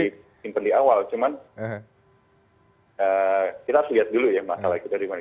jadi inti inti awal cuman kita harus lihat dulu ya masalah kita di mana